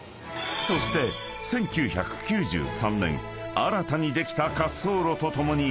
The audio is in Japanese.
［そして１９９３年新たにできた滑走路とともに］